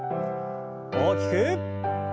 大きく。